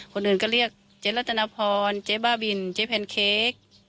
คนอื่นก็เรียกเจ๊รัตนพรเจ๊บ้าบินเจ๊แพนเค้ก